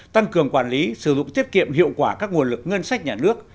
tăng cường quản lý sử dụng tiết kiệm hiệu quả các nguồn lực ngân sách nhà nước